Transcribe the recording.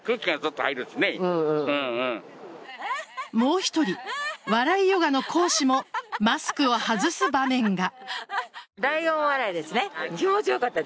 もう１人、笑いヨガの講師もマスクを外す場面が。